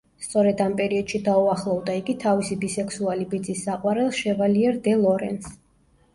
სწორედ ამ პერიოდში დაუახლოვდა იგი თავისი ბისექსუალი ბიძის საყვარელ შევალიერ დე ლორენს.